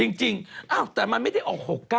จริงแต่มันไม่ได้ออก๖๙